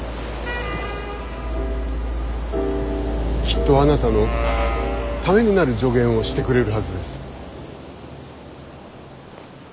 きっとあなたのためになる助言をしてくれるはずです。